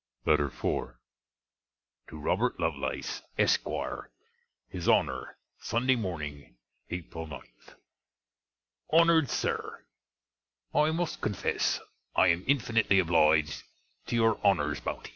LETTER IV TO ROBERT LOVELACE, ESQUIER, HIS HONNER SUNDAY MORNING, APRIL 9. HONNERED SIR, I must confesse I am infinitely obliged to your Honner's bounty.